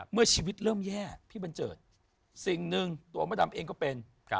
เมื่อชีวิตเริ่มแย่พี่บันเจิดสิ่งหนึ่งตัวมดดำเองก็เป็น